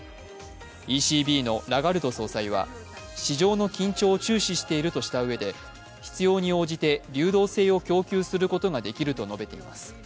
ＥＣＢのラガルド総裁は市場の緊張を注視しているとしたうえで必要に応じて流動性を供給することができると述べています。